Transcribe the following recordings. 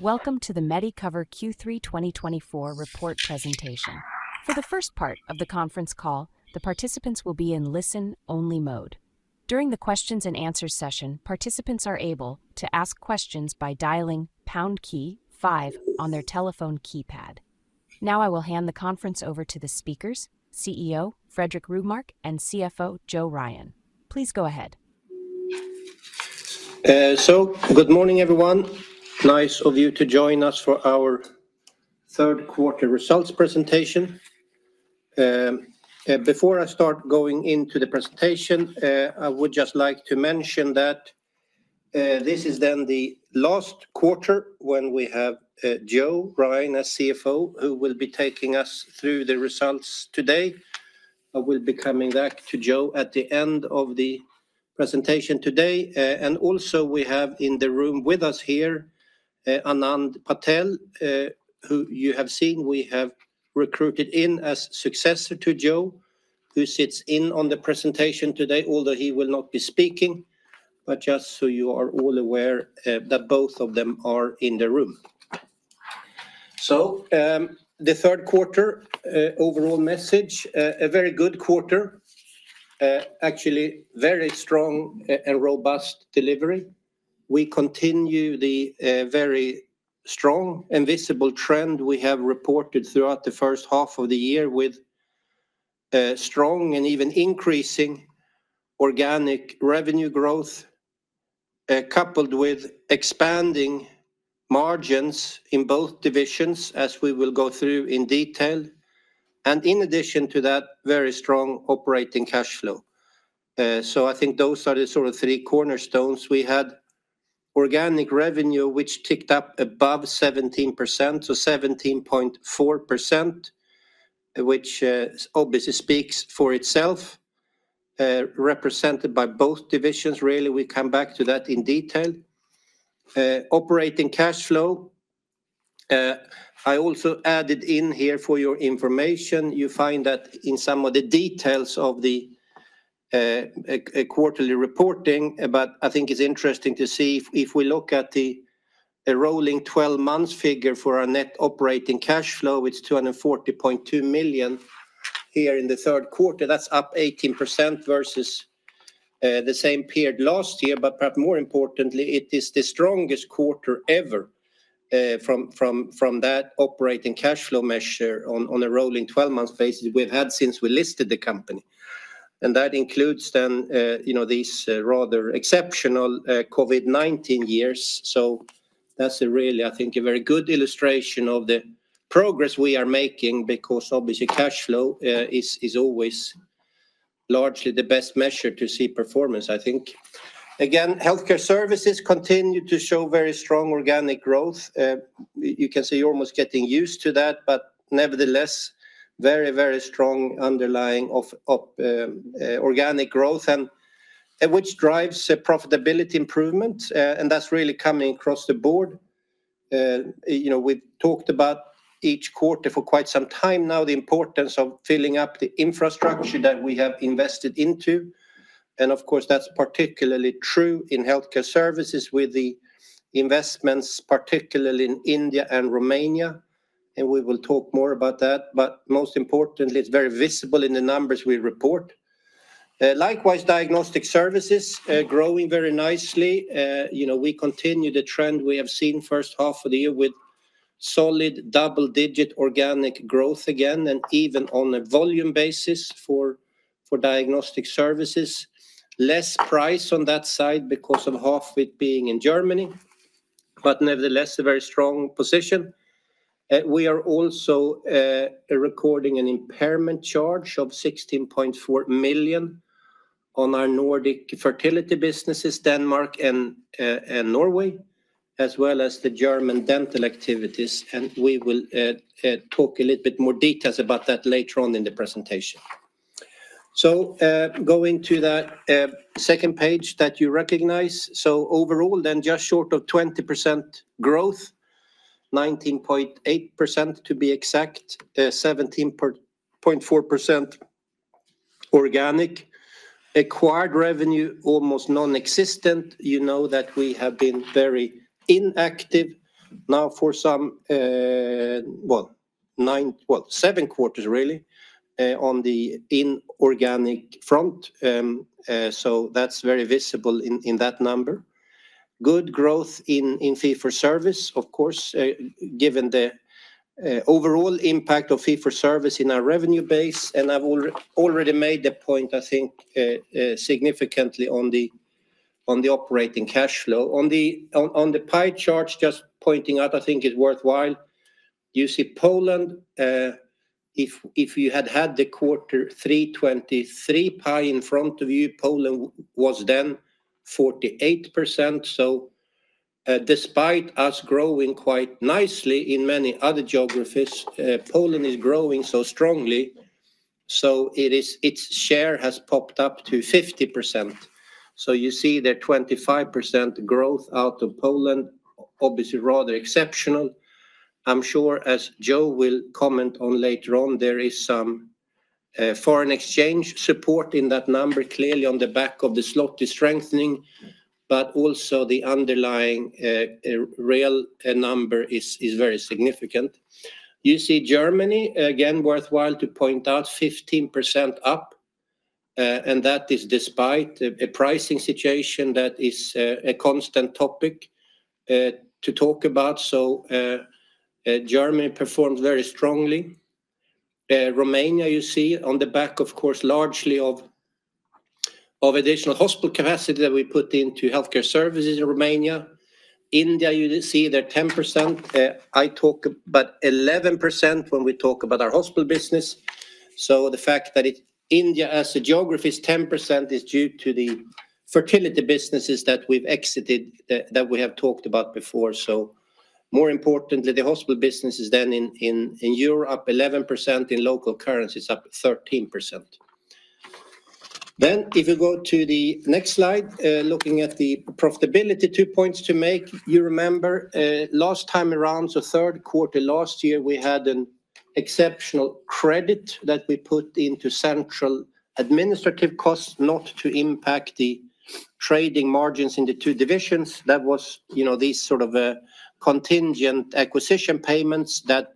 Welcome to the Medicover Q3 2024 Report Presentation. For the first part of the conference call, the participants will be in listen-only mode. During the Q&A session, participants are able to ask questions by dialing pound key five on their telephone keypad. Now I will hand the conference over to the speakers, CEO Fredrik Rågmark and CFO Joe Ryan. Please go ahead. Good morning everyone. Nice of you to join us for our third quarter results presentation. Before I start going into the presentation, I would just like to mention that this is then the last quarter when we have Joe Ryan as CFO, who will be taking us through the results today. I will be coming back to Joe at the end of the presentation today. Also we have in the room with us here, Anand Patel, who you have seen we have recruited in as successor to Joe, who sits in on the presentation today, although he will not be speaking. Just so you are all aware that both of them are in the room. The third quarter overall message, a very good quarter, actually very strong and robust delivery. We continue the very strong and visible trend we have reported throughout the first half of the year with strong and even increasing organic revenue growth, coupled with expanding margins in both divisions, as we will go through in detail. In addition to that, very strong operating cash flow. So I think those are the sort of three cornerstones we had. Organic revenue, which ticked up above 17%, so 17.4%, which obviously speaks for itself, represented by both divisions. Really, we come back to that in detail. Operating cash flow. I also added in here for your information. You find that in some of the details of the quarterly reporting, but I think it's interesting to see if we look at the rolling 12 months figure for our net operating cash flow; it's 240.2 million here in the third quarter. That's up 18% versus the same period last year, but perhaps more importantly, it is the strongest quarter ever from that operating cash flow measure on a rolling 12 months basis we've had since we listed the company. And that includes then, you know, these rather exceptional COVID-19 years. So that's really, I think, a very good illustration of the progress we are making, because obviously cash flow is always largely the best measure to see performance, I think. Again, Healthcare Services continue to show very strong organic growth. You can see you're almost getting used to that, but nevertheless, very, very strong underlying organic growth, which drives profitability improvement. And that's really coming across the board. You know, we've talked about each quarter for quite some time now, the importance of filling up the infrastructure that we have invested into. And of course, that's particularly true in Healthcare Services with the investments, particularly in India and Romania. And we will talk more about that. But most importantly, it's very visible in the numbers we report. Likewise, Diagnostic Services are growing very nicely. You know, we continue the trend we have seen first half of the year with solid double-digit organic growth again, and even on a volume basis for Diagnostic Services. Less price on that side because of half of it being in Germany, but nevertheless, a very strong position. We are also recording an impairment charge of 16.4 million on our Nordic fertility businesses, Denmark and Norway, as well as the German dental activities. And we will talk a little bit more details about that later on in the presentation. So going to that second page that you recognize, so overall then just short of 20% growth, 19.8% to be exact, 17.4% organic. Acquired revenue, almost non-existent. You know that we have been very inactive now for some, well, nine, well, seven quarters really on the inorganic front. So that's very visible in that number. Good growth in fee for service, of course, given the overall impact of fee for service in our revenue base. And I've already made the point, I think, significantly on the operating cash flow. On the pie chart, just pointing out, I think it's worthwhile. You see Poland, if you had had the Q3 23 pie in front of you, Poland was then 48%. So despite us growing quite nicely in many other geographies, Poland is growing so strongly. So its share has popped up to 50%. So you see there's 25% growth out of Poland, obviously rather exceptional. I'm sure, as Joe will comment on later on, there is some foreign exchange support in that number, clearly on the back of the Zloty strengthening, but also the underlying real number is very significant. You see Germany, again, worthwhile to point out, 15% up. And that is despite a pricing situation that is a constant topic to talk about. So Germany performed very strongly. Romania, you see on the back of, of course, largely of additional hospital capacity that we put into healthcare services in Romania. India, you see there's 10%. I talk about 11% when we talk about our hospital business. So the fact that India as a geography is 10% is due to the fertility businesses that we've exited, that we have talked about before. So, more importantly, the hospital businesses then in Europe, 11% in local currencies, up 13%. Then if you go to the next slide, looking at the profitability, two points to make. You remember last time around, so third quarter last year, we had an exceptional credit that we put into central administrative costs not to impact the trading margins in the two divisions. That was, you know, these sort of contingent acquisition payments that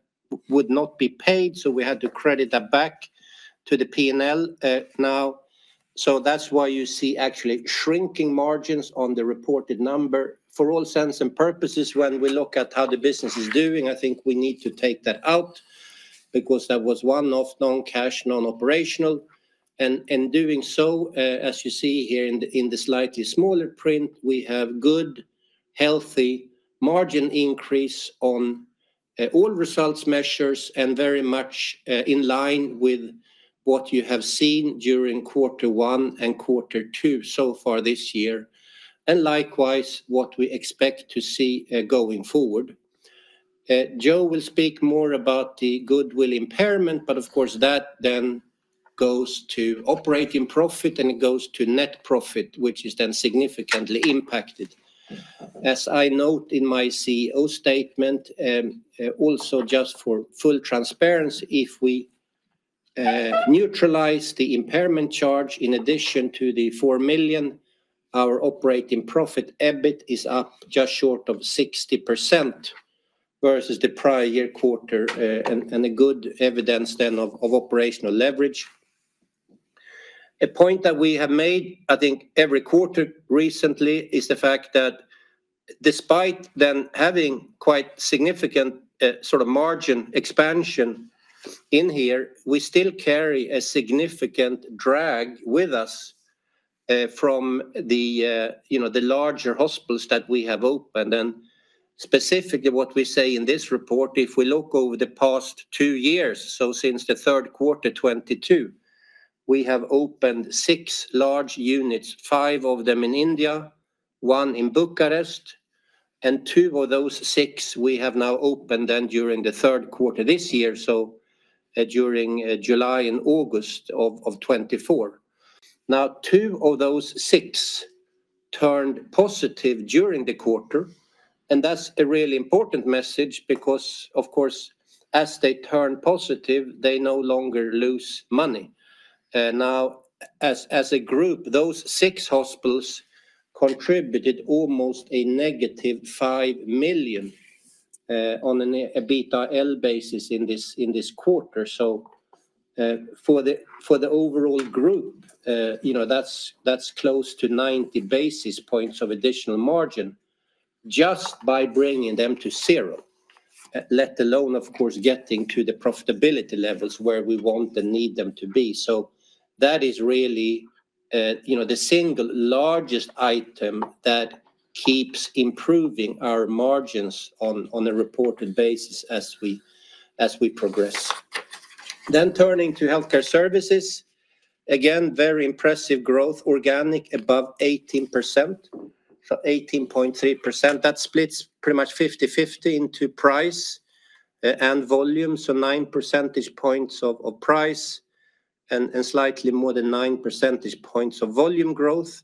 would not be paid. So we had to credit that back to the P&L now. So that's why you see actually shrinking margins on the reported number. For all intents and purposes, when we look at how the business is doing, I think we need to take that out, because that was one-off, non-cash, non-operational. And in doing so, as you see here in the slightly smaller print, we have good, healthy margin increase on all results measures and very much in line with what you have seen during quarter one and quarter two so far this year. And likewise, what we expect to see going forward. Joe will speak more about the goodwill impairment, but of course that then goes to operating profit and it goes to net profit, which is then significantly impacted. As I note in my CEO statement, also just for full transparency, if we neutralize the impairment charge in addition to the 4 million, our operating profit EBIT is up just short of 60% versus the prior year quarter and a good evidence then of operational leverage. A point that we have made, I think every quarter recently, is the fact that despite then having quite significant sort of margin expansion in here, we still carry a significant drag with us from the, you know, the larger hospitals that we have opened, and specifically what we say in this report, if we look over the past two years, so since the third quarter 2022, we have opened six large units, five of them in India, one in Bucharest, and two of those six we have now opened then during the third quarter this year, so during July and August of 2024. Now, two of those six turned positive during the quarter, and that's a really important message because, of course, as they turn positive, they no longer lose money. Now, as a group, those six hospitals contributed almost a negative 5 million on an EBIT basis in this quarter. So for the overall group, you know, that's close to 90 basis points of additional margin just by bringing them to zero, let alone, of course, getting to the profitability levels where we want and need them to be. So that is really, you know, the single largest item that keeps improving our margins on a reported basis as we progress. Then turning to Healthcare Services, again, very impressive growth, organic above 18%, so 18.3%. That splits pretty much 50/50 into price and volume, so nine percentage points of price and slightly more than nine percentage points of volume growth,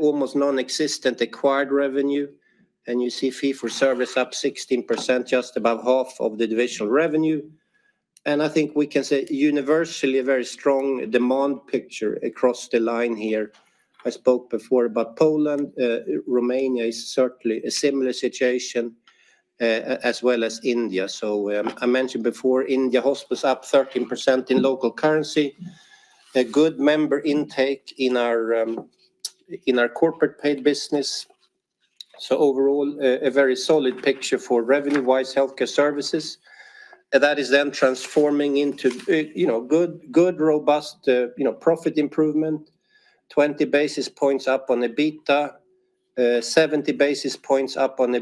almost non-existent acquired revenue. And you see fee-for-service up 16%, just about half of the divisional revenue. I think we can say universally a very strong demand picture across the line here. I spoke before about Poland. Romania is certainly a similar situation as well as India. I mentioned before, India hospitals up 13% in local currency, a good member intake in our corporate paid business. Overall, a very solid picture for revenue-wise healthcare services. That is then transforming into, you know, good, robust, you know, profit improvement, 20 basis points up on EBITDA, 70 basis points up on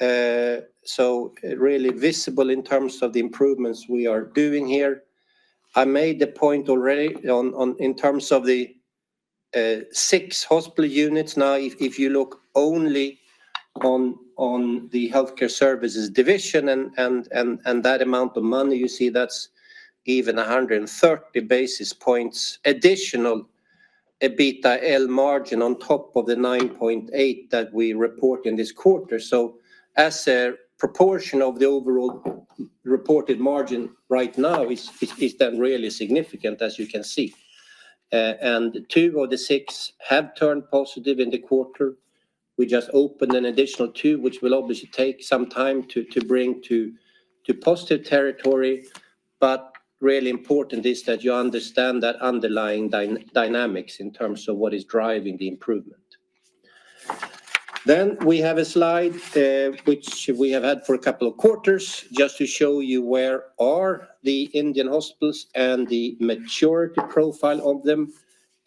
EBITDAaL. Really visible in terms of the improvements we are doing here. I made the point already in terms of the six hospital units. Now, if you look only on the healthcare services division and that amount of money, you see that's even 130 basis points additional EBITDAaL margin on top of the 9.8 that we report in this quarter. As a proportion of the overall reported margin right now, it's then really significant, as you can see. And two of the six have turned positive in the quarter. We just opened an additional two, which will obviously take some time to bring to positive territory. But really important is that you understand that underlying dynamics in terms of what is driving the improvement. Then we have a slide which we have had for a couple of quarters just to show you where are the Indian hospitals and the maturity profile of them.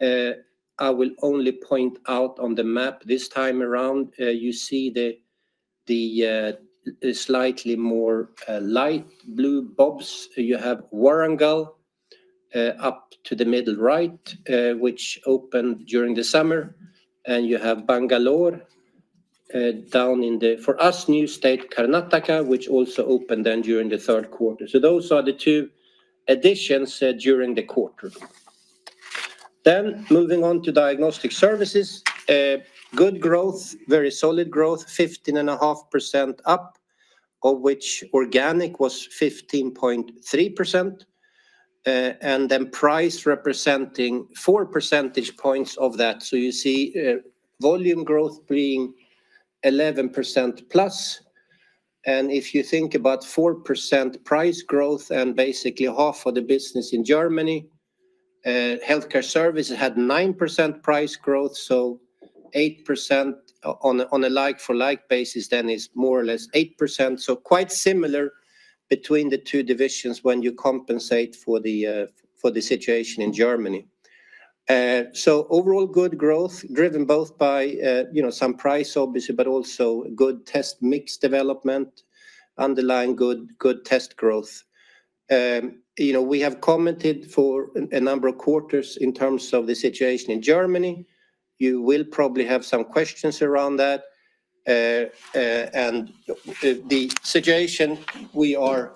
I will only point out on the map this time around. You see the slightly more light blue dots. You have Warangal up to the middle right, which opened during the summer. And you have Bangalore down in the, for us, new state Karnataka, which also opened then during the third quarter. So those are the two additions during the quarter. Then moving on to diagnostic services, good growth, very solid growth, 15.5% up, of which organic was 15.3%. And then price representing 4 percentage points of that. So you see volume growth being 11% plus. And if you think about 4% price growth and basically half of the business in Germany, healthcare services had 9% price growth. So 8% on a like-for-like basis then is more or less 8%. So quite similar between the two divisions when you compensate for the situation in Germany. So overall good growth driven both by, you know, some price obviously, but also good test mix development, underlying good test growth. You know, we have commented for a number of quarters in terms of the situation in Germany. You will probably have some questions around that. And the situation we are,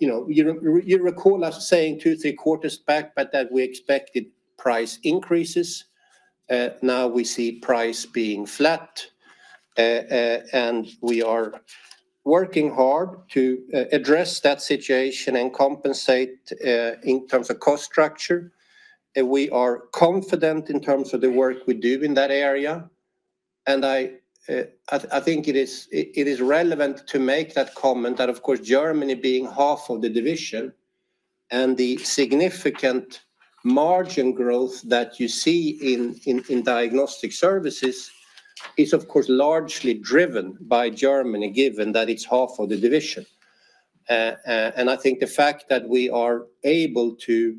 you know, you recall us saying two or three quarters back that we expected price increases. Now we see price being flat. And we are working hard to address that situation and compensate in terms of cost structure. We are confident in terms of the work we do in that area. And I think it is relevant to make that comment that, of course, Germany being half of the division and the significant margin growth that you see in diagnostic services is, of course, largely driven by Germany, given that it's half of the division. And I think the fact that we are able to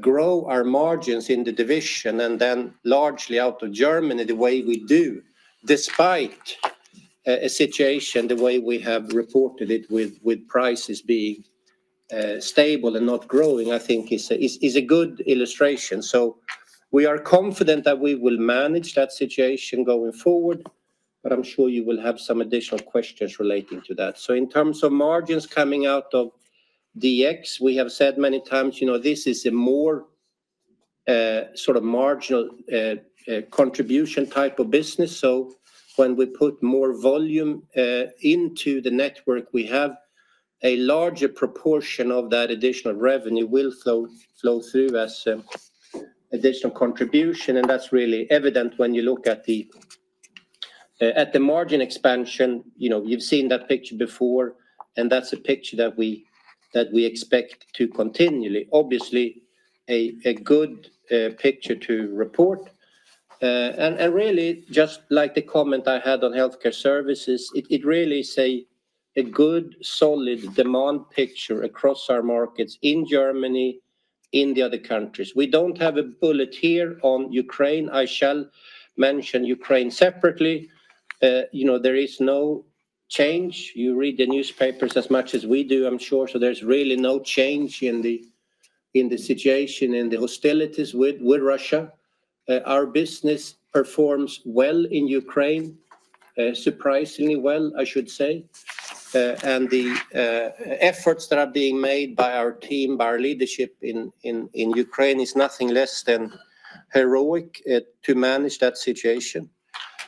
grow our margins in the division and then largely out of Germany the way we do, despite a situation the way we have reported it with prices being stable and not growing, I think is a good illustration. We are confident that we will manage that situation going forward, but I'm sure you will have some additional questions relating to that. In terms of margins coming out of DX, we have said many times, you know, this is a more sort of marginal contribution type of business. So when we put more volume into the network, we have a larger proportion of that additional revenue will flow through as additional contribution. And that's really evident when you look at the margin expansion. You know, you've seen that picture before, and that's a picture that we expect to continually, obviously a good picture to report. And really, just like the comment I had on healthcare services, it really is a good, solid demand picture across our markets in Germany, in the other countries. We don't have a bullet here on Ukraine. I shall mention Ukraine separately. You know, there is no change. You read the newspapers as much as we do, I'm sure. So there's really no change in the situation, in the hostilities with Russia. Our business performs well in Ukraine, surprisingly well, I should say. And the efforts that are being made by our team, by our leadership in Ukraine is nothing less than heroic to manage that situation.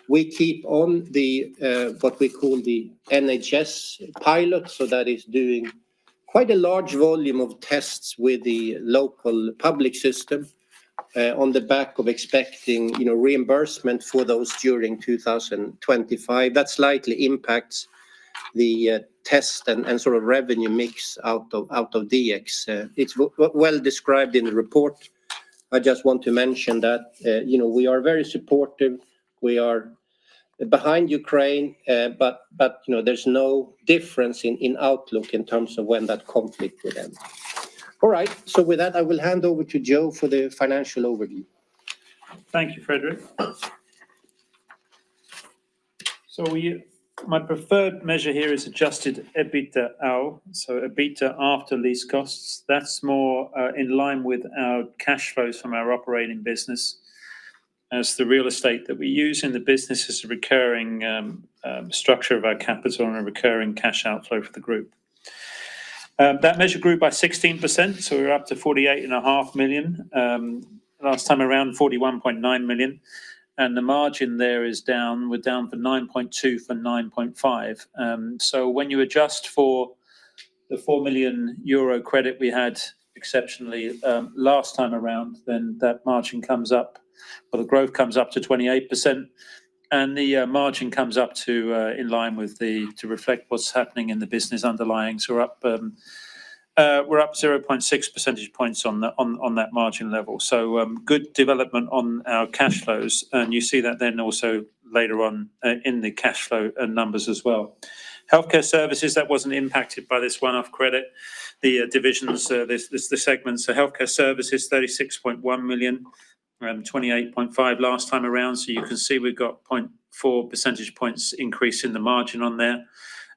We keep on the what we call the NHS pilot. So that is doing quite a large volume of tests with the local public system on the back of expecting, you know, reimbursement for those during 2025. That slightly impacts the test and sort of revenue mix out of DX. It's well described in the report. I just want to mention that, you know, we are very supportive. We are behind Ukraine, but, you know, there's no difference in outlook in terms of when that conflict will end. All right. So with that, I will hand over to Joe for the financial overview. Thank you, Fredrik. So my preferred measure here is adjusted EBITDAaL, so EBITDA after lease costs. That's more in line with our cash flows from our operating business as the real estate that we use in the business is a recurring structure of our capital and a recurring cash outflow for the group. That measure grew by 16%. So we're up to 48.5 million EUR. Last time around, 41.9 million EUR. And the margin there is up. We're up from 9.2% to 9.5%. So when you adjust for the 4 million euro credit we had exceptionally last time around, then that margin comes up, or the growth comes up to 28%. And the margin comes up to in line with the, to reflect what's happening in the underlying business. So we're up 0.6 percentage points on that margin level. So good development on our cash flows. And you see that then also later on in the cash flow numbers as well. Healthcare Services, that wasn't impacted by this one-off credit. The divisions, the segments, so Healthcare Services, 36.1 million, around 28.5 million last time around. So you can see we've got 0.4 percentage points increase in the margin on there,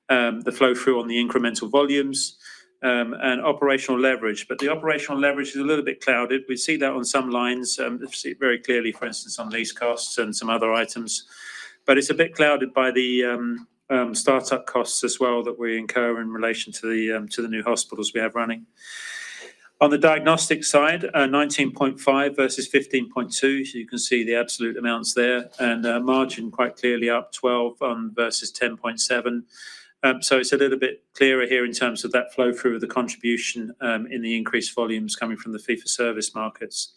the flow through on the incremental volumes and operational leverage. But the operational leverage is a little bit clouded. We see that on some lines, very clearly, for instance, on lease costs and some other items. But it's a bit clouded by the startup costs as well that we incur in relation to the new hospitals we have running. On the diagnostic side, 19.5 versus 15.2. So you can see the absolute amounts there. And margin quite clearly up 12 versus 10.7. So it's a little bit clearer here in terms of that flow through of the contribution in the increased volumes coming from the fee-for-service markets.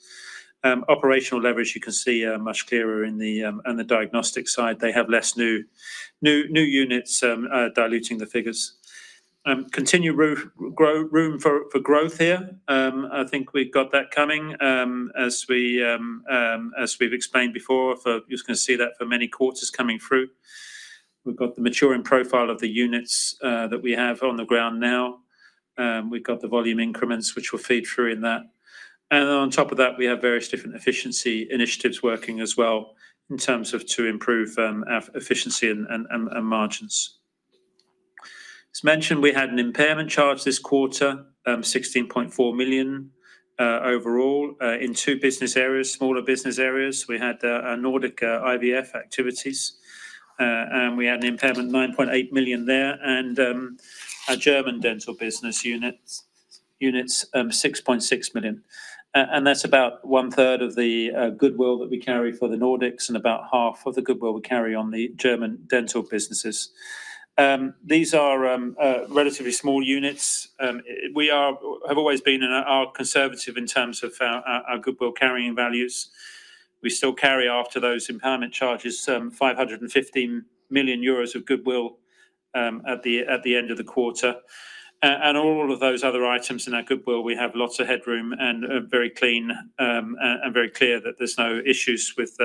Operational leverage, you can see much clearer in the diagnostic side. They have less new units diluting the figures. Continued room for growth here. I think we've got that coming as we've explained before. You're just going to see that for many quarters coming through. We've got the maturing profile of the units that we have on the ground now. We've got the volume increments, which will feed through in that. And on top of that, we have various different efficiency initiatives working as well in terms of to improve efficiency and margins. As mentioned, we had an impairment charge this quarter, 16.4 million overall in two business areas, smaller business areas. We had Nordic IVF activities, and we had an impairment, 9.8 million there, and a German dental business units, 6.6 million. And that's about one third of the goodwill that we carry for the Nordics and about half of the goodwill we carry on the German dental businesses. These are relatively small units. We have always been conservative in terms of our goodwill carrying values. We still carry after those impairment charges, 515 million euros of goodwill at the end of the quarter. And all of those other items in our goodwill, we have lots of headroom and very clean and very clear that there's no issues with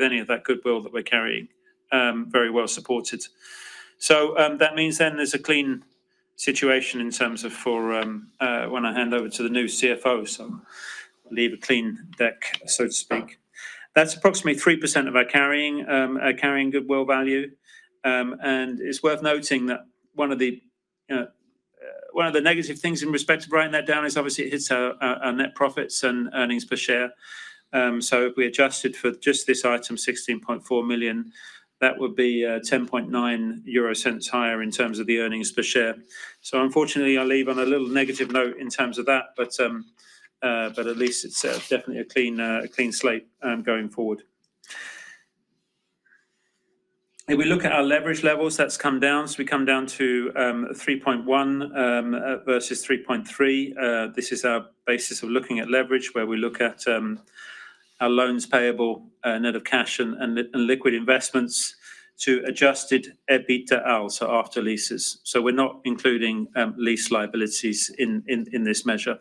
any of that goodwill that we're carrying, very well supported. So that means then there's a clean situation in terms of for when I hand over to the new CFO, so leave a clean deck, so to speak. That's approximately 3% of our carrying goodwill value. And it's worth noting that one of the negative things in respect of writing that down is obviously it hits our net profits and earnings per share. So if we adjusted for just this item, 16.4 million, that would be 0.109 higher in terms of the earnings per share. So unfortunately, I'll leave on a little negative note in terms of that, but at least it's definitely a clean slate going forward. If we look at our leverage levels, that's come down. So we come down to 3.1 versus 3.3. This is our basis of looking at leverage, where we look at our loans payable, net of cash and liquid investments to adjusted EBITDA, so after leases. So we're not including lease liabilities in this measure.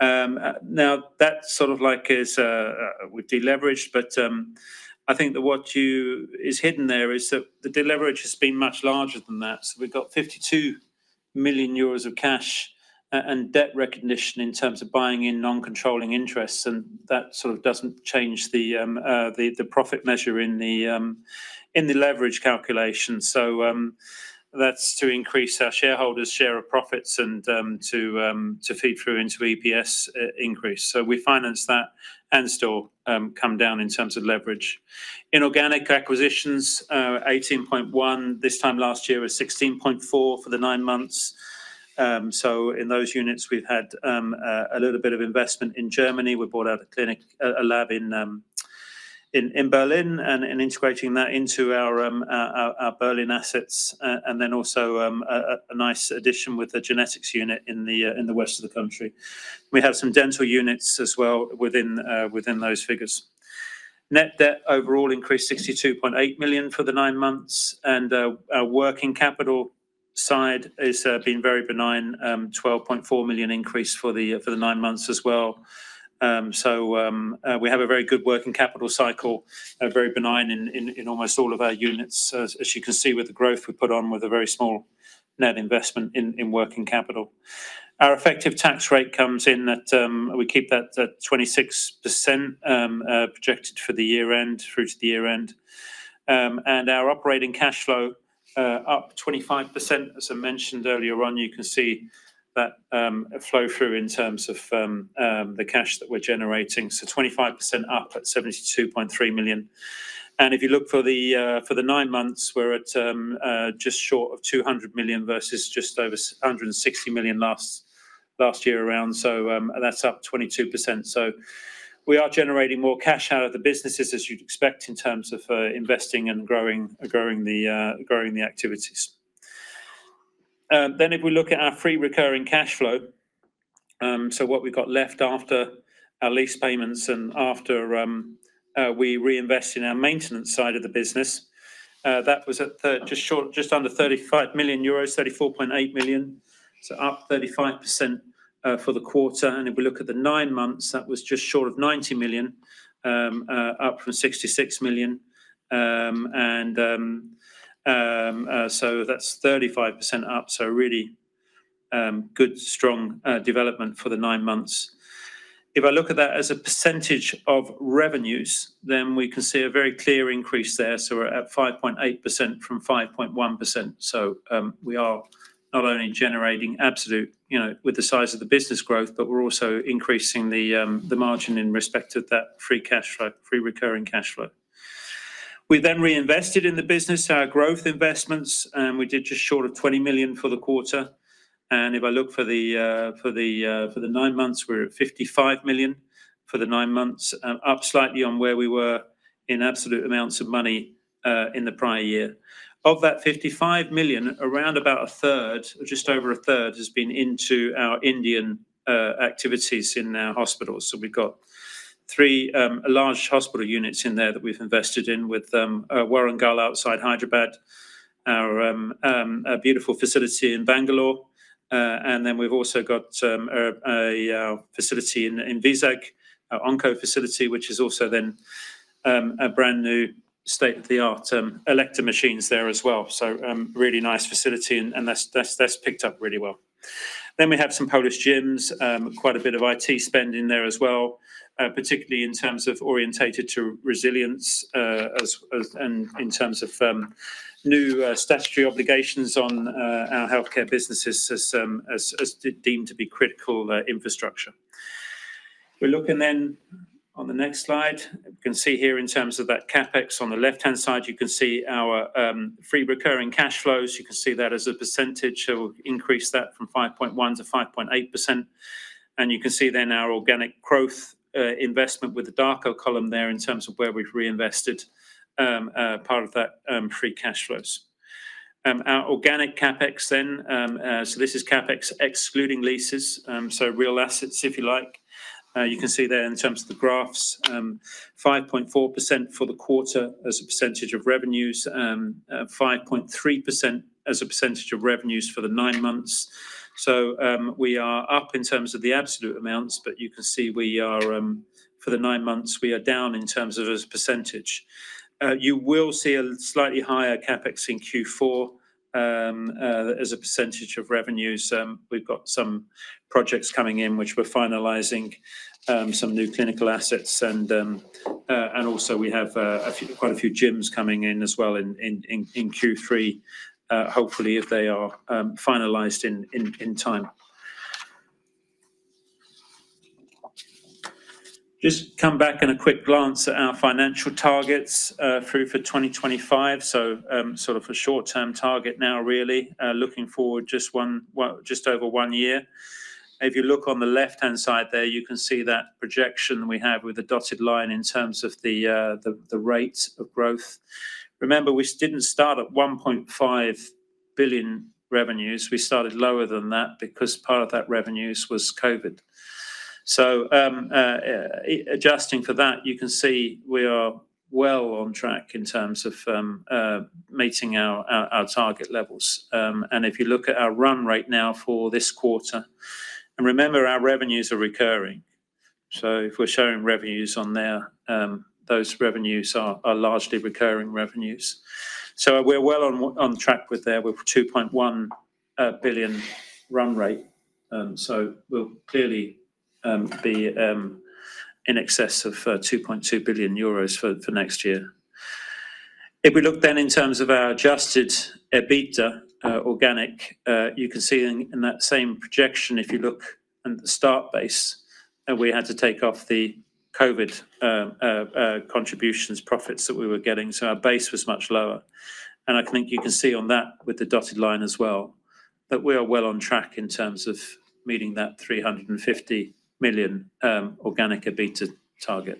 Now, that sort of like is the deleveraging, but I think that what's hidden there is that the deleverage has been much larger than that. So we've got 52 million euros of cash and debt recognition in terms of buying in non-controlling interests. And that sort of doesn't change the profit measure in the leverage calculation. So that's to increase our shareholders' share of profits and to feed through into EPS increase. So we finance that and still come down in terms of leverage. In organic acquisitions, 18.1 this time last year was 16.4 for the nine months. So in those units, we've had a little bit of investment in Germany. We bought out a clinic, a lab in Berlin and integrating that into our Berlin assets, and then also a nice addition with the genetics unit in the west of the country. We have some dental units as well within those figures. Net debt overall increased 62.8 million for the nine months, and our working capital side has been very benign, 12.4 million increase for the nine months as well, so we have a very good working capital cycle, very benign in almost all of our units, as you can see with the growth we put on with a very small net investment in working capital. Our effective tax rate comes in at we keep that at 26% projected for the year-end through to the year-end, and our operating cash flow up 25%. As I mentioned earlier on, you can see that flow through in terms of the cash that we're generating. So 25% up at 72.3 million EUR. And if you look for the nine months, we're at just short of 200 million EUR versus just over 160 million EUR last year around. So that's up 22%. So we are generating more cash out of the business, as you'd expect, in terms of investing and growing the activities. Then if we look at our free recurring cash flow, so what we've got left after our lease payments and after we reinvest in our maintenance side of the business, that was just under 35 million euros, 34.8 million EUR. So up 35% for the quarter. And if we look at the nine months, that was just short of 90 million EUR, up from 66 million EUR. And so that's 35% up. So really good, strong development for the nine months. If I look at that as a percentage of revenues, then we can see a very clear increase there. So we're at 5.8% from 5.1%. So we are not only generating absolute with the size of the business growth, but we're also increasing the margin in respect of that free cash flow, free recurring cash flow. We then reinvested in the business, our growth investments, and we did just short of 20 million for the quarter. And if I look for the nine months, we're at 55 million for the nine months, up slightly on where we were in absolute amounts of money in the prior year. Of that 55 million, around about a third, just over a third, has been into our Indian activities in our hospitals. We've got three large hospital units in there that we've invested in with Warangal outside Hyderabad, our beautiful facility in Bangalore. And then we've also got a facility in Vizag, our Onco facility, which is also then a brand new state-of-the-art electric machines there as well. So really nice facility, and that's picked up really well. Then we have some Polish gyms, quite a bit of IT spending there as well, particularly in terms of oriented to resilience and in terms of new statutory obligations on our healthcare businesses as deemed to be critical infrastructure. We're looking then on the next slide. You can see here in terms of that CapEx on the left-hand side, you can see our free recurring cash flows. You can see that as a percentage. So we'll increase that from 5.1% to 5.8%. You can see then our organic growth investment with the darker column there in terms of where we've reinvested part of that free cash flows. Our organic CapEx then, so this is CapEx excluding leases, so real assets, if you like. You can see there in terms of the graphs, 5.4% for the quarter as a percentage of revenues, 5.3% as a percentage of revenues for the nine months. So we are up in terms of the absolute amounts, but you can see we are for the nine months, we are down in terms of a percentage. You will see a slightly higher CapEx in Q4 as a percentage of revenues. We've got some projects coming in, which we're finalizing, some new clinical assets. And also we have quite a few gyms coming in as well in Q3, hopefully if they are finalized in time. Just come back to a quick glance at our financial targets through to 2025, so sort of a short-term target now, really, looking forward just over one year. If you look on the left-hand side there, you can see that projection we have with the dotted line in terms of the rate of growth. Remember, we didn't start at 1.5 billion EUR revenues. We started lower than that because part of that revenues was COVID, so adjusting for that, you can see we are well on track in terms of meeting our target levels, and if you look at our run rate right now for this quarter, and remember our revenues are recurring. So if we're showing revenues on there, those revenues are largely recurring revenues, so we're well on track there with 2.1 billion EUR run rate, so we'll clearly be in excess of 2.2 billion euros for next year. If we look then in terms of our adjusted EBITDA organic, you can see in that same projection, if you look at the start base, we had to take off the COVID contributions profits that we were getting. So our base was much lower. And I think you can see on that with the dotted line as well that we are well on track in terms of meeting that 350 million organic EBITDA target.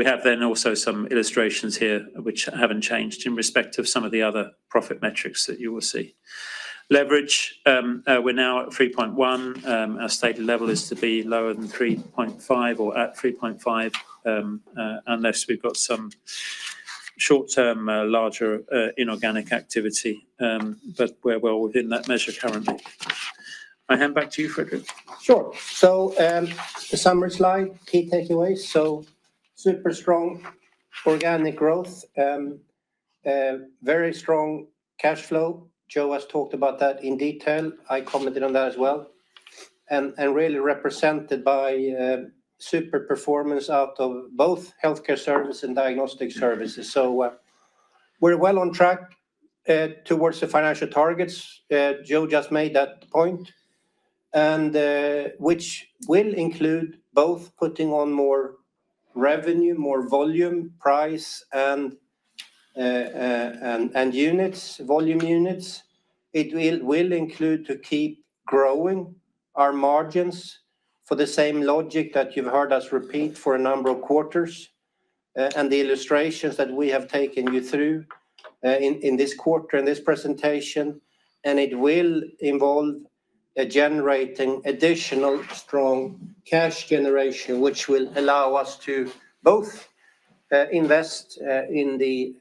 We have then also some illustrations here, which haven't changed in respect of some of the other profit metrics that you will see. Leverage, we're now at 3.1. Our stated level is to be lower than 3.5 or at 3.5 unless we've got some short-term larger inorganic activity. But we're well within that measure currently. I hand back to you, Fredrik. Sure. So the summary slide, key takeaways. So super strong organic growth, very strong cash flow. Joe has talked about that in detail. I commented on that as well. And really represented by super performance out of both healthcare services and diagnostic services. So we're well on track towards the financial targets. Joe just made that point, which will include both putting on more revenue, more volume, price, and units, volume units. It will include to keep growing our margins for the same logic that you've heard us repeat for a number of quarters and the illustrations that we have taken you through in this quarter, in this presentation. And it will involve generating additional strong cash generation, which will allow us to both invest in the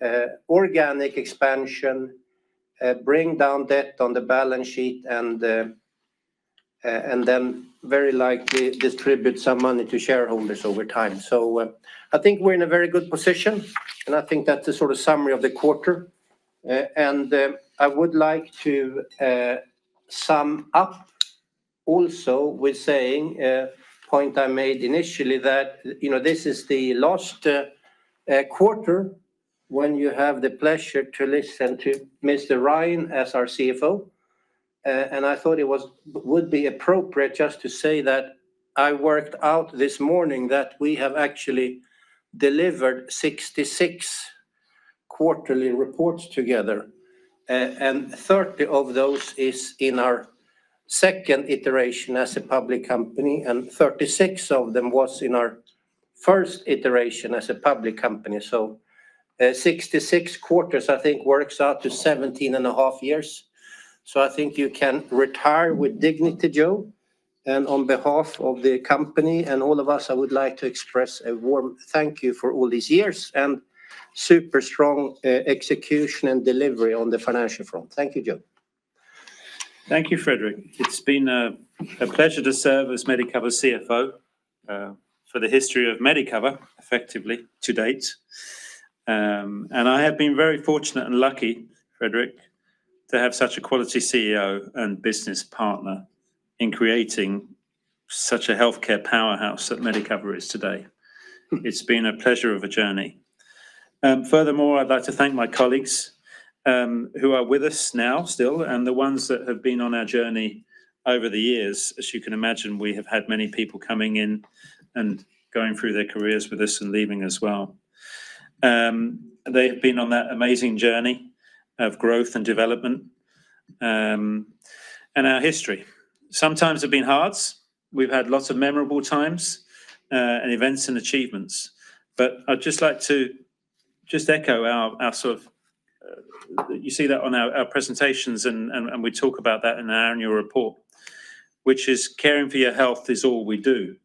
organic expansion, bring down debt on the balance sheet, and then very likely distribute some money to shareholders over time. So I think we're in a very good position. And I think that's the sort of summary of the quarter. And I would like to sum up also with saying point I made initially that this is the last quarter when you have the pleasure to listen to Mr. Ryan as our CFO. And I thought it would be appropriate just to say that I worked out this morning that we have actually delivered 66 quarterly reports together. And 30 of those is in our second iteration as a public company. And 36 of them was in our first iteration as a public company. So 66 quarters, I think, works out to 17 and a half years. So I think you can retire with dignity, Joe. And on behalf of the company and all of us, I would like to express a warm thank you for all these years and super strong execution and delivery on the financial front. Thank you, Joe. Thank you, Fredrik. It's been a pleasure to serve as Medicover CFO for the history of Medicover effectively to date. And I have been very fortunate and lucky, Fredrik, to have such a quality CEO and business partner in creating such a healthcare powerhouse that Medicover is today. It's been a pleasure of a journey. Furthermore, I'd like to thank my colleagues who are with us now still and the ones that have been on our journey over the years. As you can imagine, we have had many people coming in and going through their careers with us and leaving as well. They have been on that amazing journey of growth and development and our history. Sometimes have been hard. We've had lots of memorable times and events and achievements. But I'd just like to just echo our sort of. You see that on our presentations and we talk about that in our annual report, which is caring for your health is all we do.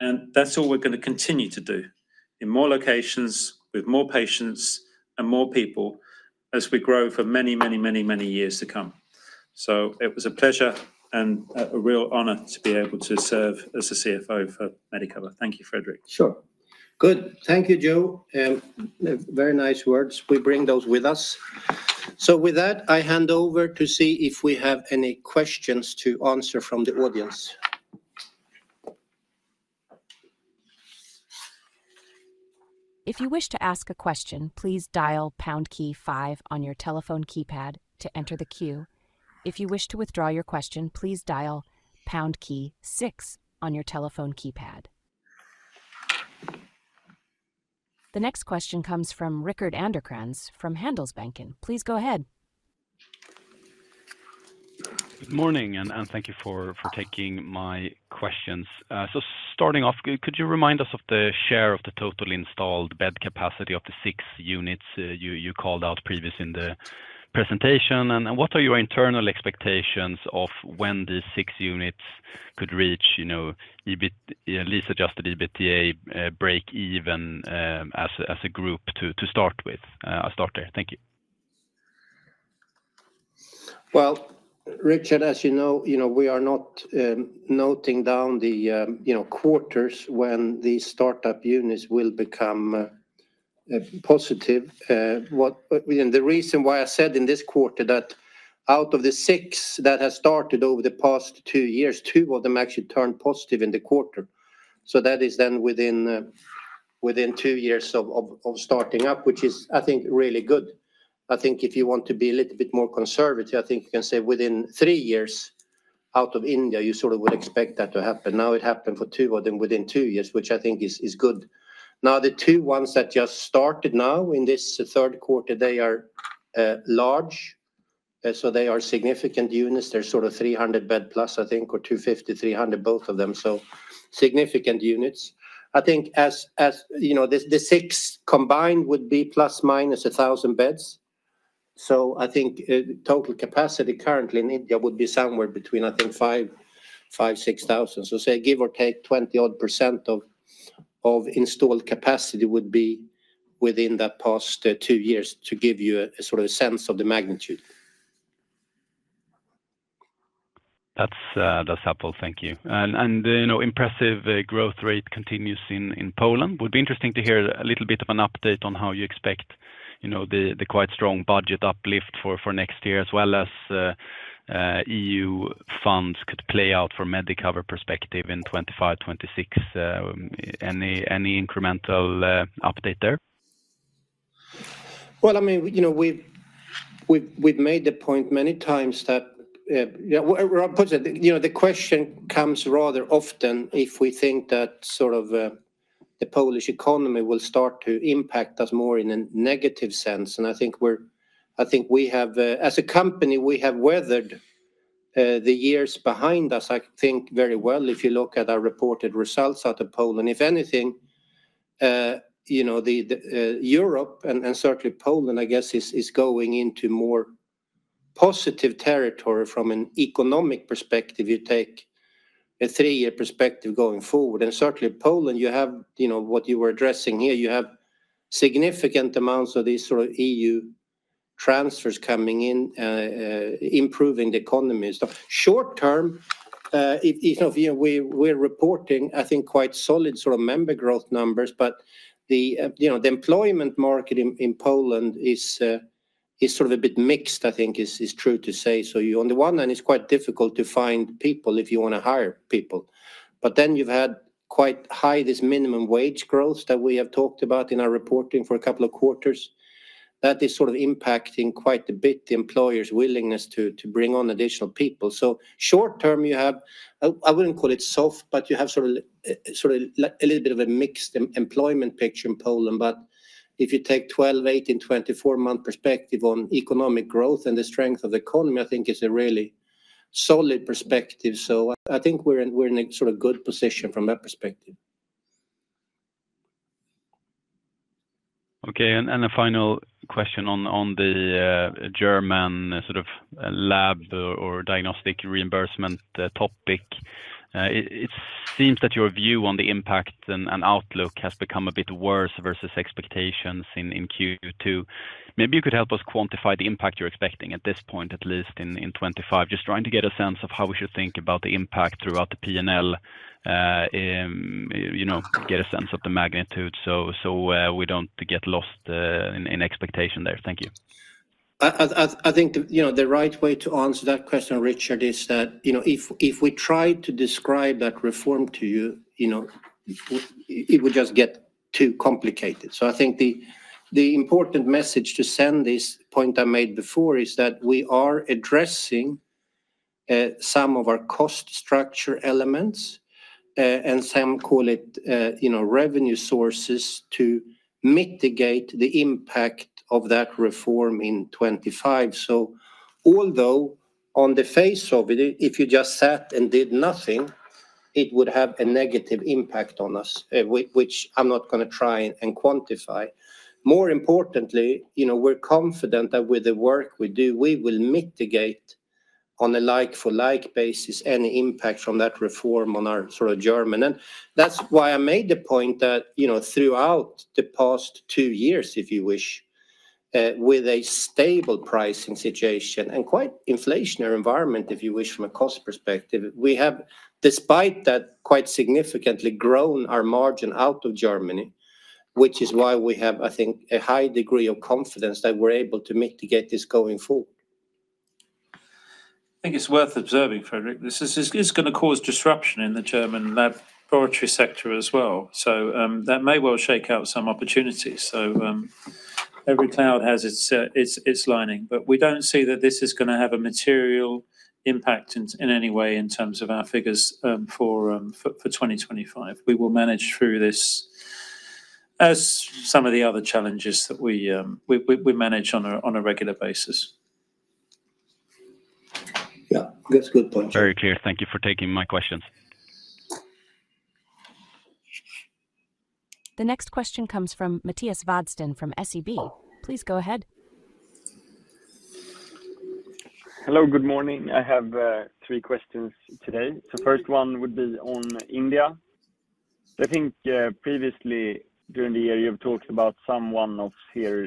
And that's all we're going to continue to do in more locations with more patients and more people as we grow for many, many, many, many years to come. So it was a pleasure and a real honor to be able to serve as a CFO for Medicover. Thank you, Fredrik. Sure. Good. Thank you, Joe. Very nice words. We bring those with us. So with that, I hand over to see if we have any questions to answer from the audience. If you wish to ask a question, please dial pound key five on your telephone keypad to enter the queue. If you wish to withdraw your question, please dial pound key six on your telephone keypad. The next question comes from Rickard Anderkrans from Handelsbanken. Please go ahead. Good morning and thank you for taking my questions. So starting off, could you remind us of the share of the total installed bed capacity of the six units you called out previously in the presentation? And what are your internal expectations of when these six units could reach lease-adjusted EBITDA break even as a group to start with? I'll start there. Thank you. Well, Rickard, as you know, we are not noting down the quarters when these startup units will become positive. And the reason why I said in this quarter that out of the six that have started over the past two years, two of them actually turned positive in the quarter. So that is then within two years of starting up, which is, I think, really good. I think if you want to be a little bit more conservative, I think you can say within three years out of India, you sort of would expect that to happen. Now it happened for two of them within two years, which I think is good. Now the two ones that just started now in this third quarter, they are large. So they are significant units. They're sort of 300 bed plus, I think, or 250, 300, both of them. So significant units. I think the six combined would be plus minus 1,000 beds. So I think total capacity currently in India would be somewhere between, I think, 5,000-6,000. So, say, give or take 20-odd% of installed capacity would be within that past two years to give you a sort of sense of the magnitude. That's helpful. Thank you. And impressive growth rate continues in Poland. Would be interesting to hear a little bit of an update on how you expect the quite strong budget uplift for next year, as well as EU funds could play out from Medicover perspective in 2025, 2026. Any incremental update there? Well, I mean, we've made the point many times that the question comes rather often if we think that sort of the Polish economy will start to impact us more in a negative sense. And I think we have, as a company, we have weathered the years behind us, I think, very well. If you look at our reported results out of Poland, if anything, Europe and certainly Poland, I guess, is going into more positive territory from an economic perspective. You take a three-year perspective going forward. And certainly Poland, you have what you were addressing here. You have significant amounts of these sort of EU transfers coming in, improving the economy. Short term, we're reporting, I think, quite solid sort of member growth numbers. But the employment market in Poland is sort of a bit mixed, I think, is true to say. So on the one hand, it's quite difficult to find people if you want to hire people. But then you've had quite high this minimum wage growth that we have talked about in our reporting for a couple of quarters. That is sort of impacting quite a bit the employer's willingness to bring on additional people. So short term, you have. I wouldn't call it soft, but you have sort of a little bit of a mixed employment picture in Poland. But if you take 12, 18, 24-month perspective on economic growth and the strength of the economy, I think it's a really solid perspective. So I think we're in a sort of good position from that perspective. Okay. And a final question on the German sort of lab or diagnostic reimbursement topic. It seems that your view on the impact and outlook has become a bit worse versus expectations in Q2. Maybe you could help us quantify the impact you're expecting at this point, at least in 25, just trying to get a sense of how we should think about the impact throughout the P&L, get a sense of the magnitude so we don't get lost in expectation there. Thank you. I think the right way to answer that question, Rickard, is that if we try to describe that reform to you, it would just get too complicated. So I think the important message to send this point I made before is that we are addressing some of our cost structure elements and some call it revenue sources to mitigate the impact of that reform in 2025. So although on the face of it, if you just sat and did nothing, it would have a negative impact on us, which I'm not going to try and quantify. More importantly, we're confident that with the work we do, we will mitigate on a like-for-like basis any impact from that reform on our sort of German. That's why I made the point that throughout the past two years, if you wish, with a stable pricing situation and quite inflationary environment, if you wish, from a cost perspective, we have, despite that, quite significantly grown our margin out of Germany, which is why we have, I think, a high degree of confidence that we're able to mitigate this going forward. I think it's worth observing, Fredrik. This is going to cause disruption in the German laboratory sector as well. So that may well shake out some opportunities. So every cloud has its lining. But we don't see that this is going to have a material impact in any way in terms of our figures for 2025. We will manage through this as some of the other challenges that we manage on a regular basis. Yeah. That's a good point. Very clear. Thank you for taking my questions. The next question comes from Mattias Vadsten from SEB. Please go ahead. Hello. Good morning. I have three questions today, so first one would be on India. I think previously during the year, you've talked about some divestiture here.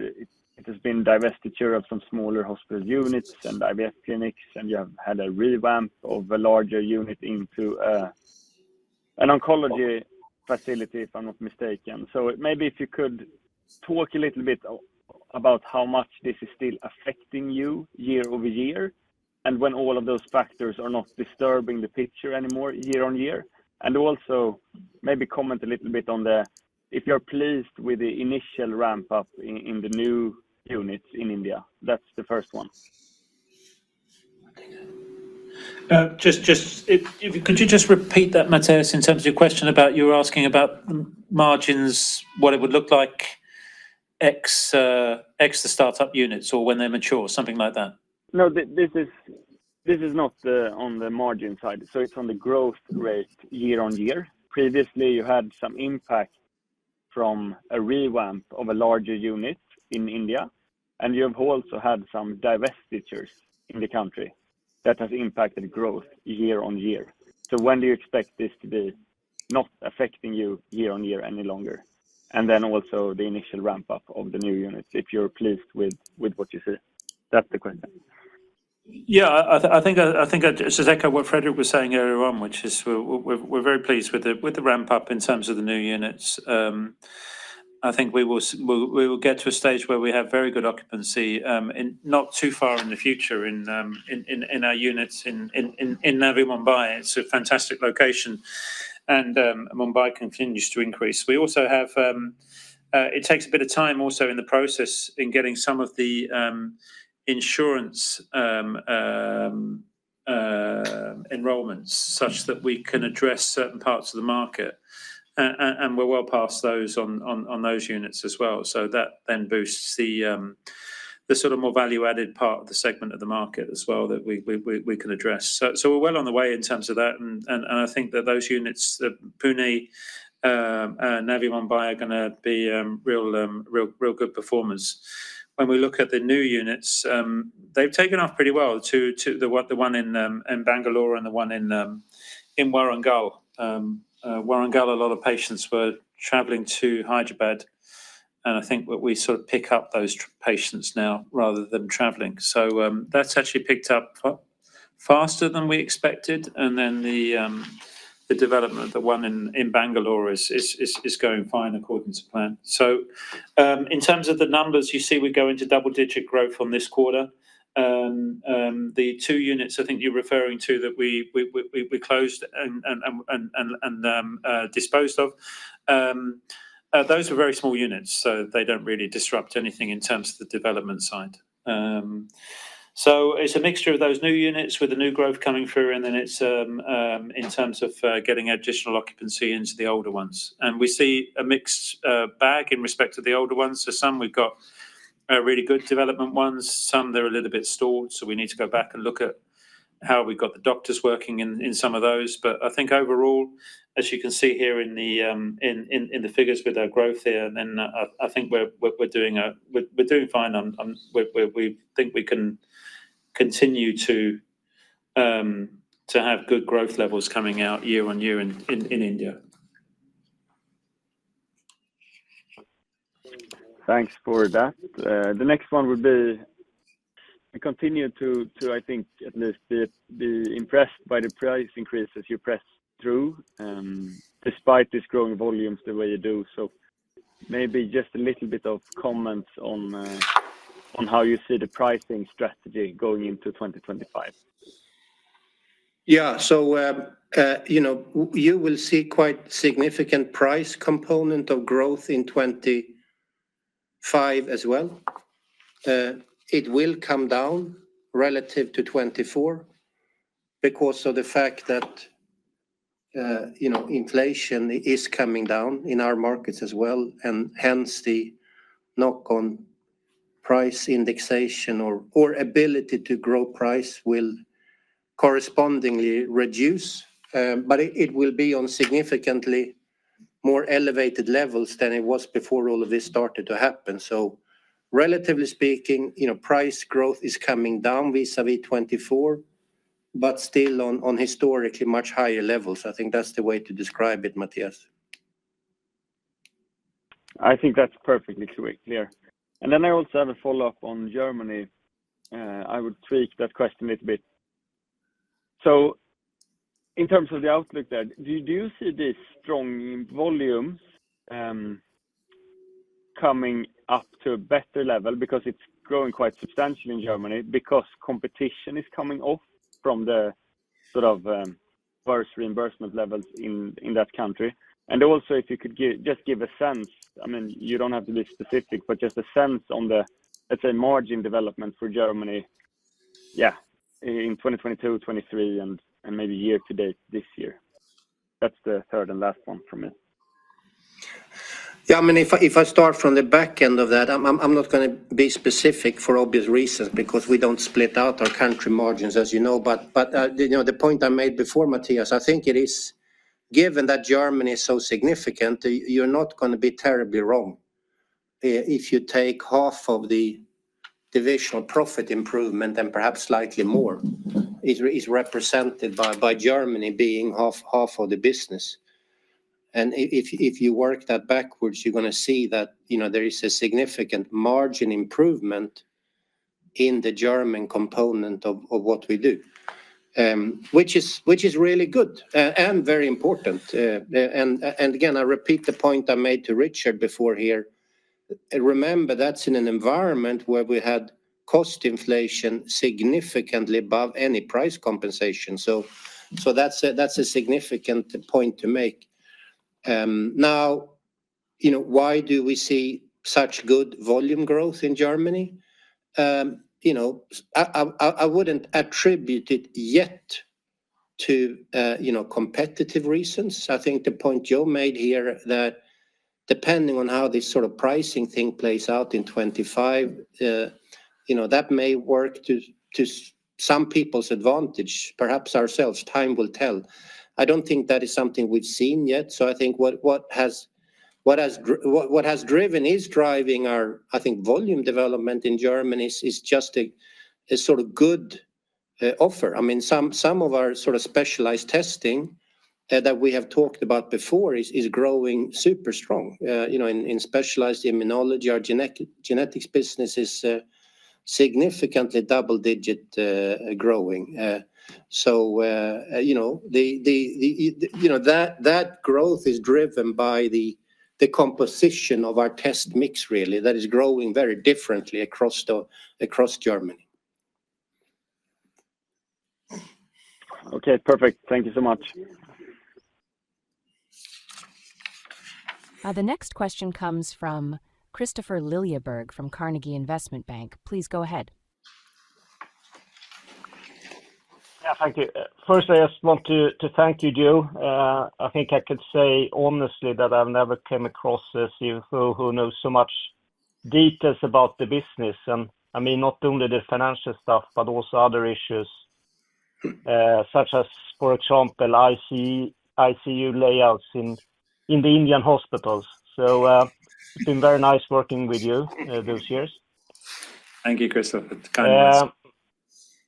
It has been divestiture of some smaller hospital units and IVF clinics, and you have had a revamp of a larger unit into an oncology facility, if I'm not mistaken. So maybe if you could talk a little bit about how much this is still affecting you year over year and when all of those factors are not disturbing the picture anymore year on year, and also maybe comment a little bit on if you're pleased with the initial ramp-up in the new units in India. That's the first one. Just could you just repeat that, Mattias, in terms of your question about you were asking about margins, what it would look like ex the startup units or when they mature, something like that? No, this is not on the margin side. So it's on the growth rate year on year. Previously, you had some impact from a revamp of a larger unit in India, and you have also had some divestitures in the country that has impacted growth year on year. So when do you expect this to be not affecting you year on year any longer? And then also the initial ramp-up of the new units, if you're pleased with what you see. That's the question. Yeah. I think I just echo what Fredrik was saying earlier on, which is we're very pleased with the ramp-up in terms of the new units. I think we will get to a stage where we have very good occupancy not too far in the future in our units in Navi Mumbai. It's a fantastic location, and Mumbai continues to increase. We also have it takes a bit of time also in the process in getting some of the insurance enrollments such that we can address certain parts of the market, and we're well past those on those units as well. So that then boosts the sort of more value-added part of the segment of the market as well that we can address, so we're well on the way in terms of that, and I think that those units, Pune and Navi Mumbai, are going to be real good performers. When we look at the new units, they've taken off pretty well. The one in Bangalore and the one in Warangal. Warangal, a lot of patients were traveling to Hyderabad. And I think we sort of pick up those patients now rather than traveling. So that's actually picked up faster than we expected. And then the development of the one in Bangalore is going fine according to plan. So in terms of the numbers, you see we go into double-digit growth on this quarter. The two units, I think you're referring to, that we closed and disposed of, those are very small units. So they don't really disrupt anything in terms of the development side. So it's a mixture of those new units with the new growth coming through, and then it's in terms of getting additional occupancy into the older ones. And we see a mixed bag in respect to the older ones. So some we've got really good development ones. Some they're a little bit stagnant. So we need to go back and look at how we've got the doctors working in some of those. But I think overall, as you can see here in the figures with our growth here, then I think we're doing fine. We think we can continue to have good growth levels coming out year on year in India. Thanks for that. The next one would be continue to, I think, at least be impressed by the price increases you pressed through despite this growing volumes the way you do. So maybe just a little bit of comments on how you see the pricing strategy going into 2025. Yeah. So you will see quite significant price component of growth in 2025 as well. It will come down relative to 2024 because of the fact that inflation is coming down in our markets as well. And hence, the knock-on price indexation or ability to grow price will correspondingly reduce. But it will be on significantly more elevated levels than it was before all of this started to happen. So relatively speaking, price growth is coming down vis-à-vis 24, but still on historically much higher levels. I think that's the way to describe it, Mattias. I think that's perfectly clear. And then I also have a follow-up on Germany. I would tweak that question a little bit. So in terms of the outlook there, do you see these strong volumes coming up to a better level because it's growing quite substantially in Germany because competition is coming off from the sort of first reimbursement levels in that country? And also, if you could just give a sense, I mean, you don't have to be specific, but just a sense on the, let's say, margin development for Germany, yeah, in 2022, 2023, and maybe year to date this year. That's the third and last one for me. Yeah. I mean, if I start from the back end of that, I'm not going to be specific for obvious reasons because we don't split out our country margins, as you know. But the point I made before, Mattias, I think it is, given that Germany is so significant, you're not going to be terribly wrong. If you take half of the divisional profit improvement and perhaps slightly more, it's represented by Germany being half of the business. If you work that backwards, you're going to see that there is a significant margin improvement in the German component of what we do, which is really good and very important. Again, I repeat the point I made to Rickard before here. Remember, that's in an environment where we had cost inflation significantly above any price compensation. That's a significant point to make. Now, why do we see such good volume growth in Germany? I wouldn't attribute it yet to competitive reasons. I think the point Joe made here that depending on how this sort of pricing thing plays out in 2025, that may work to some people's advantage, perhaps ourselves. Time will tell. I don't think that is something we've seen yet. I think what has driven is driving our, I think, volume development in Germany is just a sort of good offer. I mean, some of our sort of specialized testing that we have talked about before is growing super strong in specialized immunology. Our genetics business is significantly double-digit growing. So that growth is driven by the composition of our test mix really that is growing very differently across Germany. Okay. Perfect. Thank you so much. The next question comes from Kristofer Liljeberg from Carnegie Investment Bank. Please go ahead. Yeah. Thank you. First, I just want to thank you, Joe. I think I could say honestly that I've never come across a CFO who knows so much details about the business. And I mean, not only the financial stuff, but also other issues such as, for example, ICU layouts in the Indian hospitals. So it's been very nice working with you those years. Thank you, Kristofer. Kind of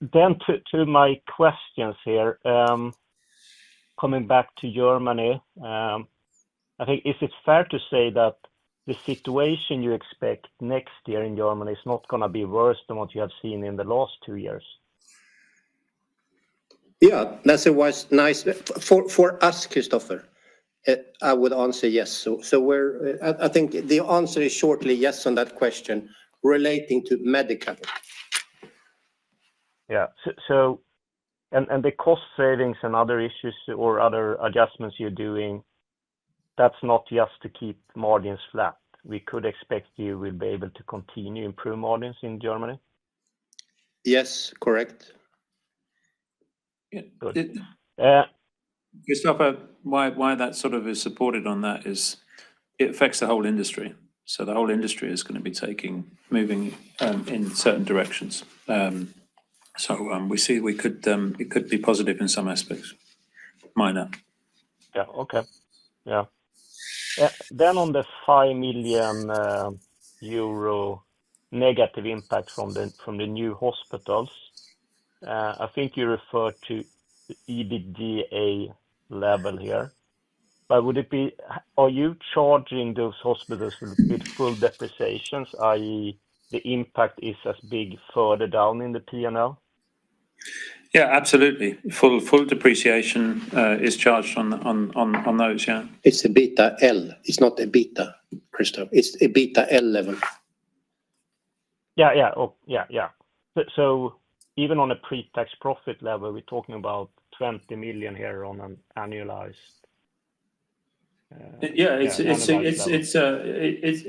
nice. Then to my questions here, coming back to Germany, I think, is it fair to say that the situation you expect next year in Germany is not going to be worse than what you have seen in the last two years? Yeah. That's nice for us, Kristofer. I would answer yes. So I think the answer is, shortly, yes on that question relating to Medicover. Yeah. And the cost savings and other issues or other adjustments you're doing, that's not just to keep margins flat. We could expect you will be able to continue improving margins in Germany? Yes. Correct. Kristofer, why that sort of is supported on that is it affects the whole industry. So the whole industry is going to be moving in certain directions. So we see it could be positive in some aspects, minor. Yeah. Okay. Yeah. Then on the 5 million euro negative impact from the new hospitals, I think you referred to EBITDAaL level here. But would it be, are you charging those hospitals with full depreciation, i.e., the impact is as big further down in the P&L? Yeah. Absolutely. Full depreciation is charged on those. Yeah. It's an EBITDAaL. It's not an EBITDA, Kristofer. It's an EBITDAaL level. Yeah. Yeah. Yeah. Yeah. So even on a pre-tax profit level, we're talking about 20 million here on an annualized. Yeah.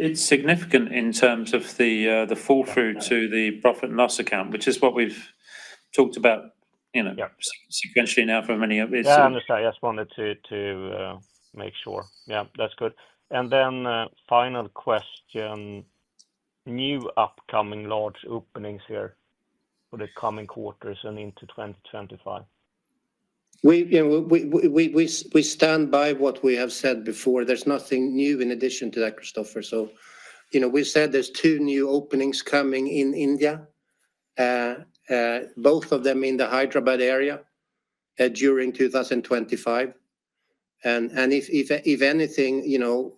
It's significant in terms of the front end of the profit and loss account, which is what we've talked about sequentially now for many years. Yeah. I understand. I just wanted to make sure. Yeah. That's good. And then final question, new upcoming large openings here for the coming quarters and into 2025? We stand by what we have said before. There's nothing new in addition to that, Kristofer. So we've said there's two new openings coming in India, both of them in the Hyderabad area during 2025. And if anything,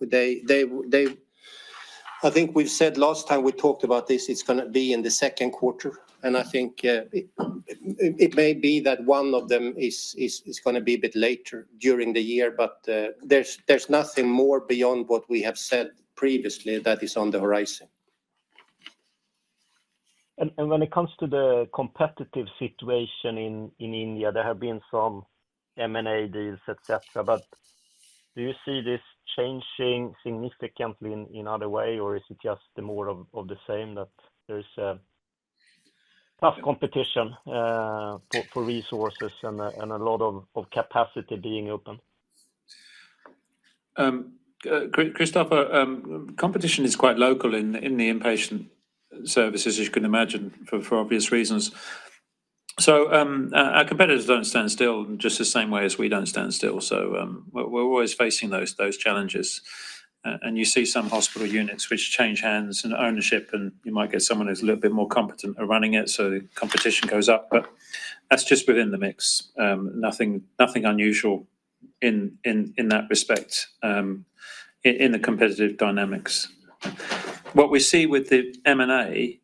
I think we've said last time we talked about this, it's going to be in the second quarter. And I think it may be that one of them is going to be a bit later during the year. But there's nothing more beyond what we have said previously that is on the horizon. And when it comes to the competitive situation in India, there have been some M&A deals, etc. But do you see this changing significantly in other way, or is it just more of the same that there's tough competition for resources and a lot of capacity being open? Kristofer, competition is quite local in the inpatient services, as you can imagine, for obvious reasons. So our competitors don't stand still in just the same way as we don't stand still. So we're always facing those challenges. And you see some hospital units which change hands and ownership, and you might get someone who's a little bit more competent at running it. So the competition goes up. But that's just within the mix. Nothing unusual in that respect in the competitive dynamics. What we see with the M&A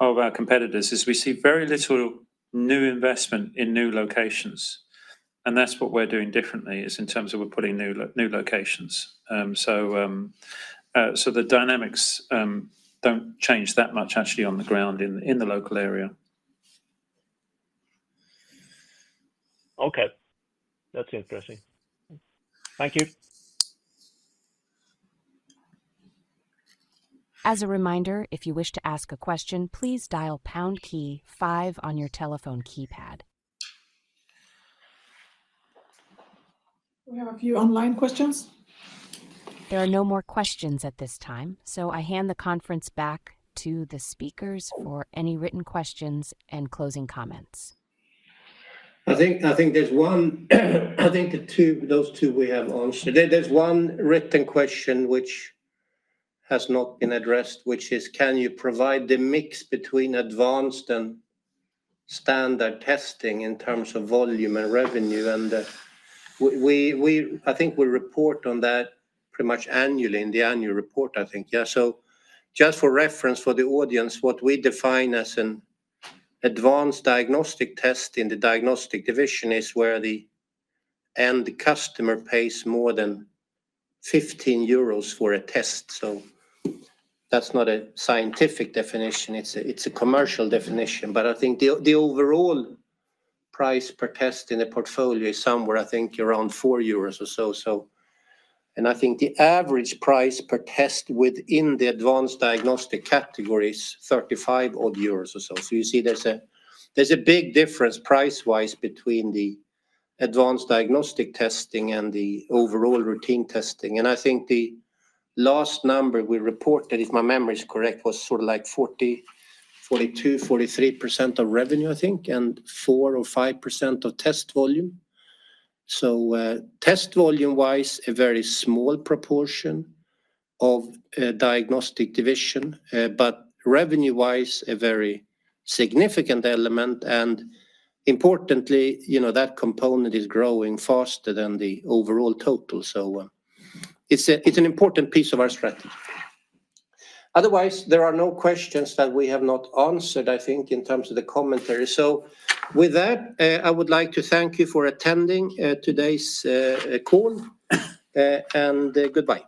of our competitors is we see very little new investment in new locations. And that's what we're doing differently is in terms of we're putting new locations. So the dynamics don't change that much, actually, on the ground in the local area. Okay. That's interesting. Thank you. As a reminder, if you wish to ask a question, please dial Pound Key 5 on your telephone keypad. We have a few online questions. There are no more questions at this time. So I hand the conference back to the speakers for any written questions and closing comments. I think there's one. I think those two we have answered. There's one written question which has not been addressed, which is, can you provide the mix between advanced and standard testing in terms of volume and revenue? And I think we report on that pretty much annually in the annual report, I think. Yeah. So just for reference for the audience, what we define as an advanced diagnostic test in the diagnostic division is where the end customer pays more than 15 euros for a test. So that's not a scientific definition. It's a commercial definition. But I think the overall price per test in the portfolio is somewhere, I think, around 4 euros or so. And I think the average price per test within the advanced diagnostic category is 35 euros odd or so. So you see there's a big difference price-wise between the advanced diagnostic testing and the overall routine testing. And I think the last number we reported, if my memory is correct, was sort of like 40, 42, 43% of revenue, I think, and 4 or 5% of test volume. So test volume-wise, a very small proportion of diagnostic division, but revenue-wise, a very significant element. And importantly, that component is growing faster than the overall total. So it's an important piece of our strategy. Otherwise, there are no questions that we have not answered, I think, in terms of the commentary. So with that, I would like to thank you for attending today's call, and goodbye.